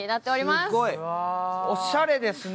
すごい、おしゃれですね。